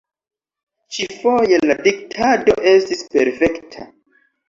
Ĉi-foje la diktado estis perfekta.